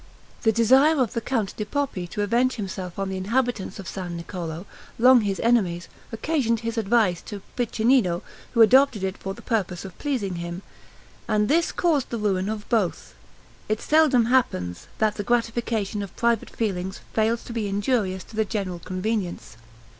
The desire of the Count di Poppi to avenge himself on the inhabitants of San Niccolo, long his enemies, occasioned his advice to Piccinino, who adopted it for the purpose of pleasing him; and this caused the ruin of both. It seldom happens, that the gratification of private feelings, fails to be injurious to the general convenience.